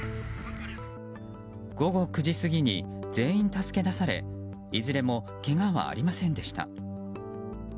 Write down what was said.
午後９時過ぎに全員助け出されいずれもけがはありませんでした。